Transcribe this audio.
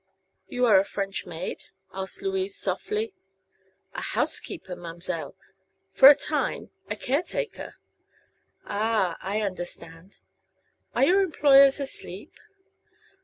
"You are a French maid?" asked Louise, softly. "A housekeeper, ma'm'selle. For a time, a caretaker." "Ah, I understand. Are your employers asleep?"